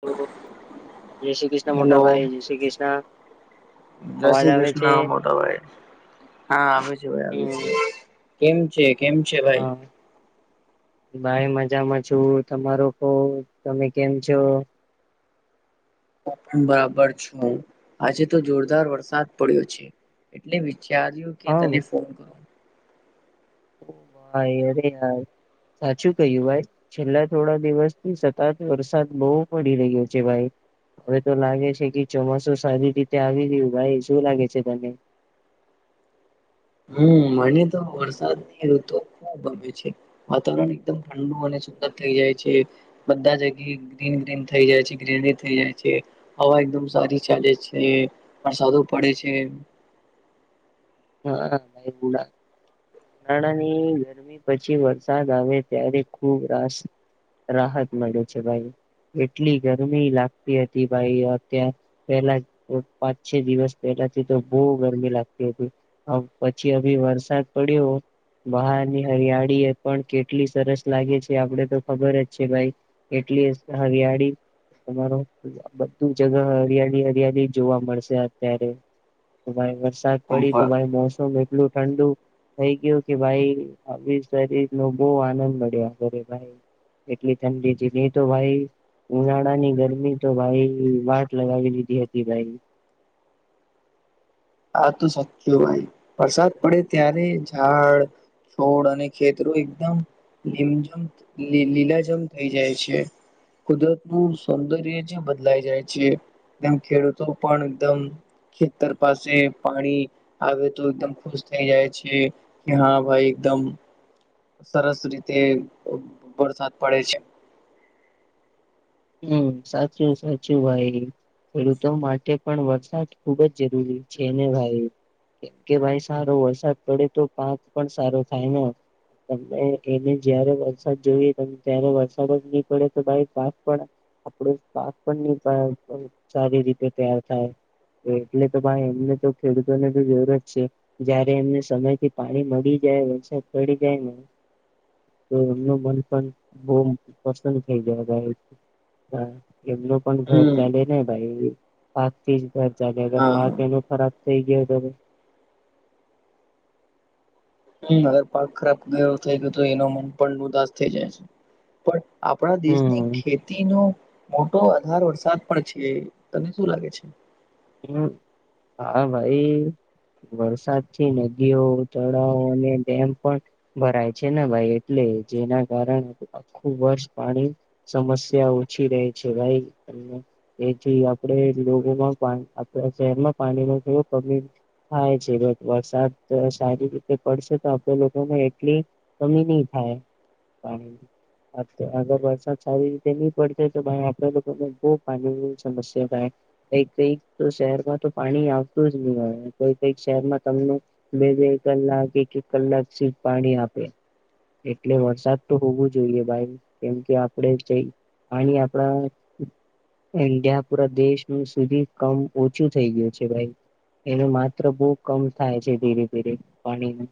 તો જય શ્રી કૃષ્ણ મોટા હેલો ભાઈ જય શ્રી કૃષ્ણ. જય અવાજ શ્રી આવે કૃષ્ણ છે મોટા ભાઈ હા આવે છે. ભાઈ આવી હમ છે. કેમ છે કેમ છે ભાઈ. હા ભાઈ મજામાં છું, તમારુ કો તમે કેમ છો? બરાબર છું. આજે તો જોરદાર વરસાદ પડ્યો છે, એટલે ચાર્યું કે તને ફોન કરુ. ઓ ભાઈ, અરે યાર. સાચું કહ્યું, ભાઈ છેલ્લા થોડા દિવસથી સતત વરસાદ બઉ પડી રહ્યો છે ભાઈ. હવે તો લાગે છે કે, ચોમાસું સારી રીતે આવી ગયું ભાઈ શું લાગે છે તને? [unintelligible] હમ્મ, મને તો વરસાદની ઋતુ ખુબ ગમે છે, વાતાવરણ એકદમ ઠંડુ અને થઈ જાય છે, બધા જગ્યાએ ગ્રીન ગ્રીન થઈ જાય છે ગ્રીનરી થઈ જાય છે હવા એકદમ સારી ચાલે છે, વરસાદો પડે છે. [unintelligible] ઉનાળાની ગરમી પછી વરસાદ આવે, ત્યારે ખુબ રાસ રાહત મળે છે ભાઈ. એટલી ગરમી લાગતી હતી ભાઈ અત્યાં પેલા પાંચ છ દિવસ થી તો બહુ ગરમી લાગતી હતી, પછી અભી વરસાદ પડ્યો બહારની હરિયાળી એ પણ કેટલી સરસ લાગે છે આપડે તો ખબર જ છે ભાઈ. એટલી હરિયાળી તમારો બધું જગા હરિયાળી હરિયાળી જોવા મળશે અત્યારે. તો ભાઈ વરસા બર. મોસમ એટલું ઠંડુ થઈ ગયો કે ભાઈ આવી શરીરનો બો આનંદ મળ્યા કરે ભાઈ એટલી ઠંડીજી ની તો ભાઈ ઉનાળાની ગરમી તો ભાઈ વાટ લગાવી લીધી હતી ભાઈ. [inaudible] આ તો સાચ્ચું ભાઈ વરસાદ પડે ત્યારે ઝાડ છોડ અને ખેતરો એકદમ લીમઝમ લી લીલાજમ થઇ જાય છે. કુદરતનું સૌંદર્ય જે બદલાઈ જાય છે. તેમ ખેડૂતો પણ એકદમ ખેતર પાસે શે પાણી આવે તો એકદમ ખુશ થઈ જાય છે કે હા ભાઈ એકદમ સરસ રીતે વરસાદ પડે છે. હમ સાચું સાચું ભાઈ. ખેડૂતો માટે પણ વરસાદ ખુબ જ જરૂરી છે ને ભાઈ. એ કે ભાઈ સારો વરસાદ પડે તો પાક પણ સારો થાય ને તમે એને જયારે વરસાદ જોઈ ત ત્યારે વરસાદ જ નહી પડે તો ભાઈ પાક પણ આપડું પાક પણ સારી રીતે તૈયાર થાય. એટલે તો ભાઈ એમને તો ખેડૂતોને તો જરૂરત છે, જયારે એમને સમય થી પાણી મળી જ ક્યાંય વરસાદ પડી જાય ને તો એમનું મન પણ બહ પસંદ થઈ ગયા, હા, એમનું પણ ઘર હમ ચાલે ને ભાઈ પાત થી ખર્ચા થાય હા પાક એનો ખરાબ કઈ ગયા તમે? હમ્મ, અગર પાક ખરાબ કરો થઈ ગયો તો એનો મન પણ ઉદાસ થઈ જાય છે પણ આપણા દેશની હમ ખેતી નું મોટો આધાર વરસાદ પણ છે, તને શું લાગે છે? હમ્મ હા ભાઈ વરસાદ થી નદીઓ તળાવ અને ડેમ પણ ભરાય છે ને ભાઈ એટલે જેના કારણે આખું વર્ષ પાણી સમસ્યા ઓછી રહે છે ભાઈ એથી આપણે લોકોમાં શહેરમાં પાણી ન થ કમી થાય છે વરસાદ સારી રીતે પડશે તો આપણે લોકોને એટલી કમી ની થાય. હા પાણીની. અગર વરસાદ સારી રીતે ની પડતે તો ભાઈ આપણા લોકોને બહુ પાણીની સમસ્યા થાય. કઈ કઈક તો શહેરમાં તો પાણી આવતું જ ની હોય કોઈક કઈક શહેરમા તમને બે બે કલાક કે એક એક કલાક સુ પાણી આપે. એટલે વરસાદ તો હોવું જોઈએ ભાઈ કેમ કે આપણે જઈ પાણી આપડા ઇન્ડિયા પૂરા દેશ સુધી કમ ઓછુ થઇ ગયુ છે ભાઈ. એનુ માત્ર બહુ કમ થાય છે ધીરે ધીરે પાણીનુ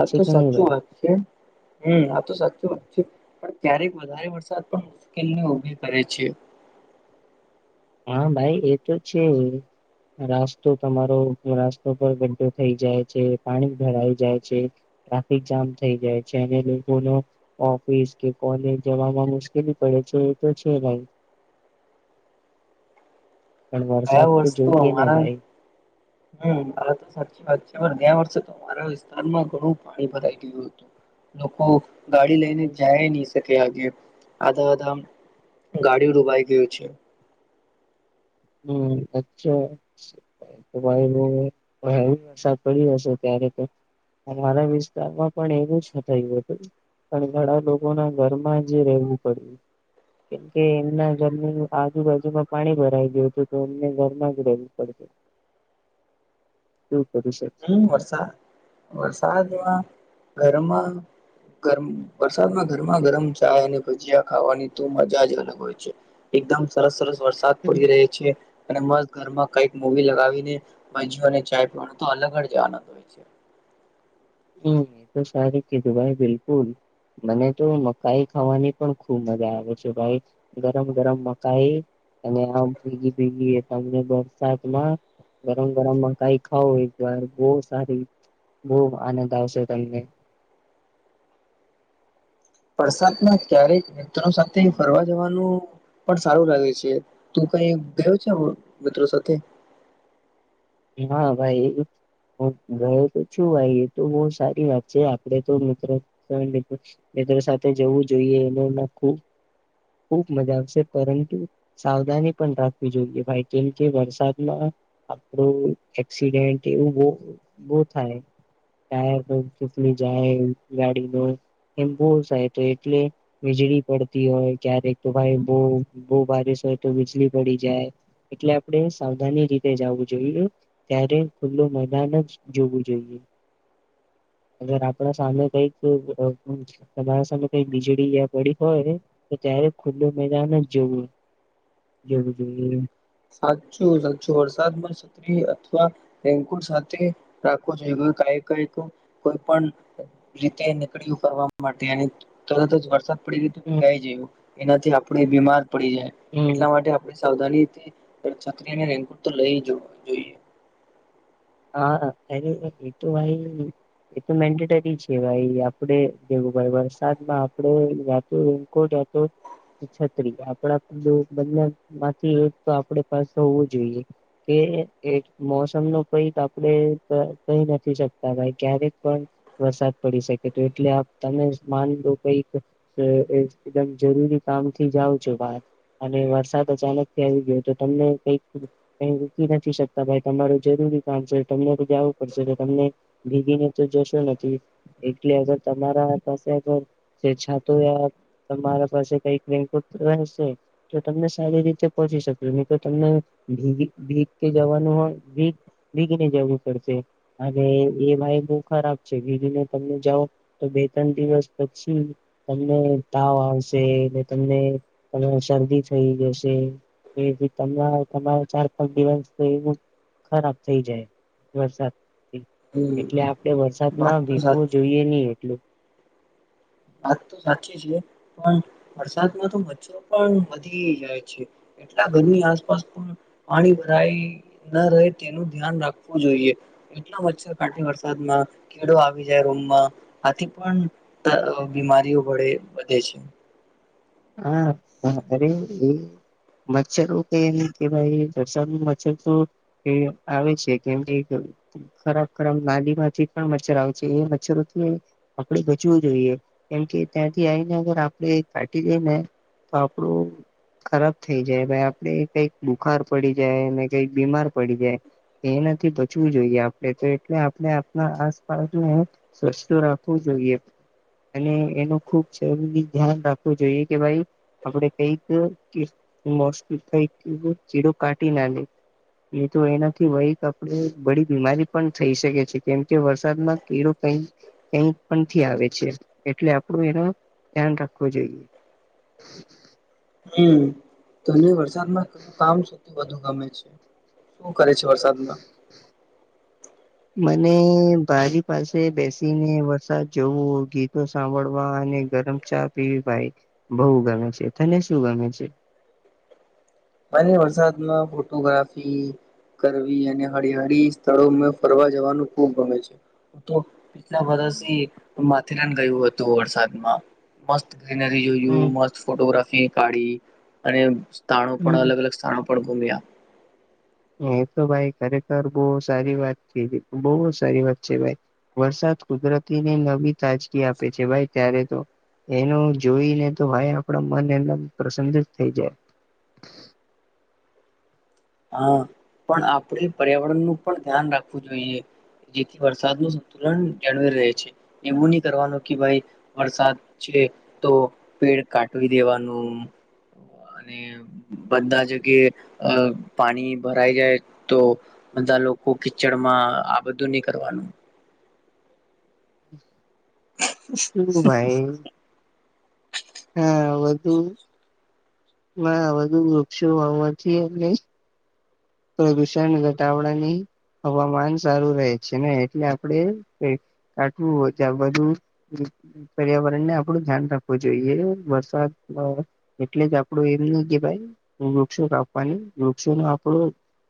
આ તો સાચું વાત છે હમ આ તો સાચી વાત છે પણ ક્યારેક વધારે વરસાદ પણ મુશ્કેલને ઉભી કરે છે. હા ભાઈ એ તો છે. રાસ્તો તમારો રસ્તો પર ગઢો થઈ જાય છે પાણી ભરાઈ જાય છે. ટ્રાફિક જામ થઇ જાય છે અને લોકો નો ઓફિસ કે કોલેજ જવામા મુશ્કેલી પડે પછી એ તો છે ભાઈ. પણ વરસાદ ગયા વર્ષ તો જોઈએ ને અમારા ભાઈ હ આ તો સાચી વાત છે પણ ગયા વર્ષ અમારા વિસ્તારમા ઘણુ પાણી ભરાઈ ગયુ હતુ લોકો ગાડી લઈને જાય નીઇ શકે આગે. આધા આધા ગાડી ડૂબાઈ ગયુ છે. હમ અચ્છા! ભાઈ હ હેવી વરસાદ પડી હશે ત્યારે તો અમારા વિસ્તારમાં પણ એવું જ થયું હતું. પણ ઘણા લોકો ના ઘરમાં જે રહેવું પડ્યું. કેમકે એમના ઘરની આજુબાજુમા પાણી ભરાઈ ગયુ. તો અમને ઘરમા જ રહેવું પડતુ. હમ્મ વરસા વરસાદમા ઘરમા ગર વરસાદમાં ગરમા ગરમ ચાય અને ભજીયા ખાવાની ત મજા જ અલગ હોય છે. એકદમ સરસ સરસ. વરસાદ પડી રહે છે અને મસ્ત ઘરમા કઈક મોવી લગાવીને ભજીઓ અને ચાય પીવાનો તો અલગ જ આનંદ હોય છે હમ્મ એ તો સારી કીધું ભાઈ બિલકુલ મને તો મકાઈ ખાવાની પણ ખુબ મજા આવે છે ભાઈ ગરમ ગરમ મકાઈ અને આમ ભેગી ભેગી એકદમ વરસાદમા ગરમ-ગરમ માકઈ ખાવ એક વાર બહુ સારી બહુ આનંદ આવશે તમને વરસાદમા ક્યારેક મિત્રો સાથે ફરવા જવાનુ પણ સારું લાગે છે તું કઈ ગયો છે વ મિત્રો સાથે ના ભાઈ હું ગયો તો છુ ભય એ તો બહુ સારી વાત છે આપડે તો મિત્ર સાથે જવું જોઈએ એનુ ના ખુબ ખુબ મજા આવશે પરંતુ સાવધાની પણ રાખવી જોઈએ ભાઈ કેમ કે વરસાદમા આપણું એક્સિડેન્ટ એવું બો બઉ થાય. ટાયર પણ ઉકલી જાય ગાડીનુ એમ બોવ એટલે વીજળી પડતી હોય ક્યારેક તો ભાઈ બહુ બહુ બારીશ તો વીજળી પડી જાય એટલે આપડે સાવધાની રીતે જવુ જોઈએ ત્યારે ખુલ્લુ મેદાન જ જોવુ જોઈએ અગર આપણા સામે કઈક અમ તમારા સામે કઈક વીજળીયા પડી હોય તો ત્યા ત્યારે ખુલ્લું મેદાનજ જોવું જવુ જોઇએ સાચું સાચું વરસાદમાં છત્રી અથવા રેનકુટ સાથે રાખવુ જોઈએ કઈ કઈ તો કોઈ પણ રીતે નીકળીયુ કરવા માટે અને તરત જ વરસાદ આપડી રીત હમ ભીગાઈ જયું એનાથી આપણે બીમાર પડી જાય હમ એટલા માટે આપણે સાવધાની થી એક છત્રી અને રેનકુટ તો લઈ જવું જોઈએ. હા અરે એ તો ભાઈ એ તો મેન્ડેટરી છે, ભાઈ આપડે [unintelligible] વરસાદમાં આપડે જાતે રેન્કોટ હતો. છત્રી આપડા જો બંને માંથી એક તો આપડે પાસે હોવું જોઈએ કે એ એક મોસમનો [unintelligible] આપણે ક કહી નથી શકતા ભાઈ ક્યારેક પણ વરસાદ પડી શકે તો એટલે આ તમે માની લો કઈક એ એકદમ જરૂરી કામ થી જાવ છો બાર અને વરસાદ અચાનકથી આવી ગયો તો તમને કઈક કઈ રૂકી નથી શકતા ભાઈ તમારું જરૂરી કામ છે, તમને તો ત્યાં આવું પડશે તમને ભીગી ને તો જશો નથી એટલે અગર તમારા [unintelligible] જે છાતો યા તમારા પાસે કઈકં રેન્કોટ તો હશે તમને સારી રીતે પહોંચી શકે ને તો તમને ભીગી ભી કે જવાનું હોય ભી ગીને જવું પડશે અને એમાંય બહુ ખરાબ છે ભીગી ને તમને જાઓ તો બે ત્રણ દિવસ પછી તમને તાવ આવશે, ને તમને શરદી થઈ જશે એ જે તમારો ચાર પાંચ દિવસ એવું ખરાબ થઇ જાય વરસાદ હમ એટલે આપડે વાત વરસાદમાં તો વીપવું સાચી છે. જોઈએ નહી એટલું. વાત તો સાચી છે, પણ વરસાદમાં તો મચ્છરો પણ વધી જાય છે. એટલા ઘરની આસપાસ પણ પાણી ભરાય ન રહે તેનું ધ્યાન રાખવું જોઈએ. એટલો મચ્છર કડે વરસાદમાં કીડો આવી જાય રૂમમાં આથી પણ તા બીમારીઓ પડે વધે છે. હા હ અરે એ મચ્છરો કેમ કેવાય વરસાદ નું મચ્છર તો આવે છે, કેમ કે ખરાબ ખરાબ નાલી માંથી પણ મચ્છર આવે છે, એ મચ્છરોથી આપડે બચવું જોઈએ. કેમકે ત્યાંથી આઈને અગર આપણે કાટી જાય ને તો આપડું ખરાબ થઇ જાય ભાઈ આપડે કઈક બુખાર પડી જાય ને કઈક બીમાર પડી જાય. એનાથી બચવું જોઈએ આપડે જે એટલે આપણે આપના આસપાસને સ્વચ્છ રાખવું જોઈએ અને એનું ખુબ જરૂરિ ધ્યાન રા વુ જોઈએ કે ભાઈ આપડે કઈક [unintelligible] કઈક ચીડો કાઢી ના [unintelligible] એ તો એનાથી વહીક આપડે બડી બીમારી પણ થઈ શકે છે, કેમ કે વરસાદમાં કિડો [unintelligible] પણથી આવે છે એટલે આપડું એના ધ્યાન રા ખવુ જોઈએ. હમ્મ તને વરસાદમાં કામ સૌથી વધુ ગમે છે. શું કરે છે, વરસાદમાં? [inaudible] મને બારી પાસે બેસીને વરસાદ જોવો ગીતો સાંભળવા અને ગરમ ચા પીવી ભાઈ બહુ ગમે છે, તને શું ગમે છે? મન વરસાદમાં ફોટોગ્રાફી કરવી અને હરિયાળી સ્થળોમાં ફરવા જવાનું ખૂબ ગમે છે. પીછા વર્ષ હિ હું માથેરાન ગયું હતું, વરસાદમાં મસ્ત ગ્રીન રી જોયું હમ મસ્ત ફોટોગ્રાફી કાઢી અને સ્થાણો પણ હમ અલગ અલગ સ્થાાન પણ ગુમિયા. એ તો ભાઈ ખરેખર બવ સારી વાત છે બઉ અ સારી વાત છે ભાઈ વરસાદ કુદરતીને નવી તાજગી આપે છે ભાઈ ત્યારે તો એનું જોઈને તો હાય આપણા મન એદમ પ્રસન્ન જ થઈ જાય. [inaudible] હા પણ આપડે પર્યાવરણ નું પણ ધ્યાન રાખવું જોઈએ. જેથી વરસાદ નું સંતુલન જાળવી રહે છે એવું નહી કરવાનું કે ભાઈ વરસાદ તે તો પેડ કાટવી દેવાનું અને બધા જકે અ પાણી ભરાઈ જાય તો બધા લોકો કીચડમાં આ બધું નહી કરવાનું હ ભાઈ હા વધુ હ વાધું વૃક્ષો વાવાથી એમને પ્રદૂષણ ઘટાડડા નહી હવામાન સારું રહે છે ને એટલે આપડે કાવું હોય ત્યાં બધું પર્યાવરણ ને આપડું ધ્યાન રાખવું જોઈએ વરસાદ એટલે જ આપડું એમની કે ભાઈ હ વૃક્ષો કાપવાની વૃક્ષો નો આપડો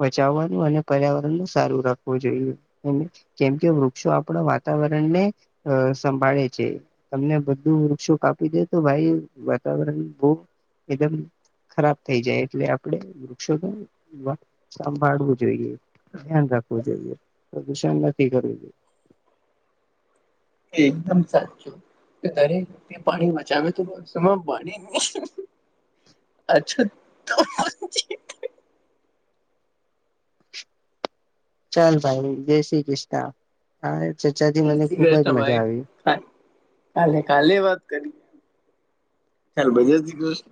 બચાવવાનું અને પર્યાવરણ ન સારું રાખવું જોઈએ કેમ કે વૃક્ષો આપણા વાતાવરણ વાતાવરણ ને સંભાળે છે તમને બધું વૃક્ષો કાપી દે તો ભાઈ ર બ એકદમ ખરાબ થઈ જાય એટલે આપણે વૃક્ષો સંભાળવું જોઈએ ધ્યાન રાખવું જોઈએ પ્રદૂષણ નથી કરવું જોઈએ [inaudible] એકદમ સાચું દરેક પાણી બચાવે તો પાણી અચ્છા તો ચાલ ભાઈ જય શ્રી કૃષ્ણા હા ચર્ચાથી મને ખુબ જ મજા તમારી આવી હૈ કાલે કાલે વાત કરી ખાલ બજે જ દી